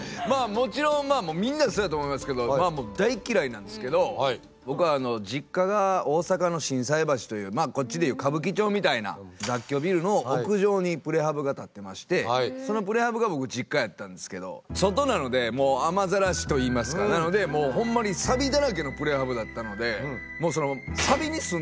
もちろんみんなそうやと思いますけど大嫌いなんですけど僕あの実家が大阪の心斎橋というこっちで言う歌舞伎町みたいな雑居ビルの屋上にプレハブが建ってましてそのプレハブが僕実家やったんですけど外なので雨ざらしといいますかなのでもうほんまにサビの中に。